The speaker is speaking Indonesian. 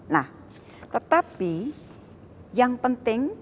nah tetapi yang penting